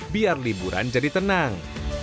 biar liburan jadi tenang